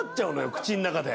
口の中で。